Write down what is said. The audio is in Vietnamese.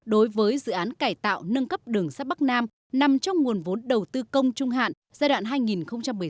đối với dự án cải tạo nâng cấp đường sắt bắc nam nằm trong nguồn vốn đầu tư công trung hạn giai đoạn hai nghìn một mươi sáu hai nghìn hai mươi